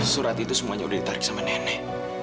surat itu semuanya udah ditarik sama nenek